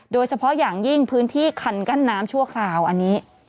โดยเฉพาะอย่างยิ่งพื้นที่คันกั้นน้ำชั่วคราวอันนี้